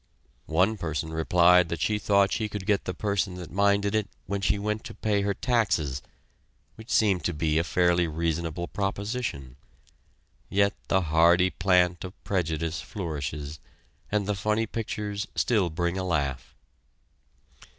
One woman replied that she thought she could get the person that minded it when she went to pay her taxes which seemed to be a fairly reasonable proposition. Yet the hardy plant of prejudice flourishes, and the funny pictures still bring a laugh.